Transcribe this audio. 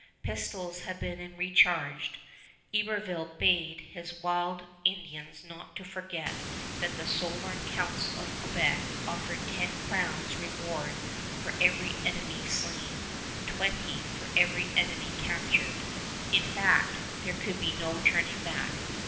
Pistols had been recharged. Iberville bade his wild Indians not to forget that the Sovereign Council of Quebec offered ten crowns reward for every enemy slain, twenty for every enemy captured. In fact, there could be no turning back.